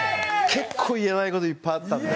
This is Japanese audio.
結構言えない事いっぱいあったので。